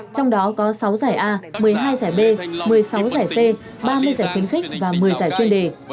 trong đó có sáu giải a một mươi hai giải b một mươi sáu giải c ba mươi giải khuyến khích và một mươi giải chuyên đề